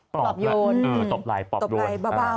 ปลอบโยนปลอบไหล่ปลอบโยนปลอบไหล่เบา